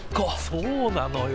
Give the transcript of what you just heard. そうなのよ。